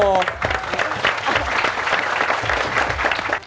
โอ้โห